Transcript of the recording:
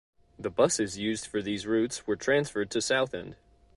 The buses used for these routes were transferred to Southend.